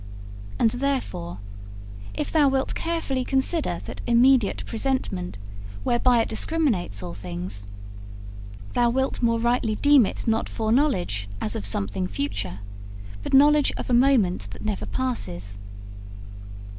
And therefore, if thou wilt carefully consider that immediate presentment whereby it discriminates all things, thou wilt more rightly deem it not foreknowledge as of something future, but knowledge of a moment that never passes.